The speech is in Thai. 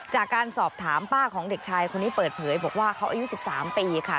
จากการสอบถามป้าของเด็กชายคนนี้เปิดเผยบอกว่าเขาอายุ๑๓ปีค่ะ